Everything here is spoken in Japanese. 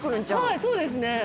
はいそうですね